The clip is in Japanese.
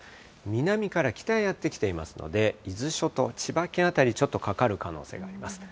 南から北へやって来ていますので、伊豆諸島、千葉県辺りちょっとかかる可能性があります。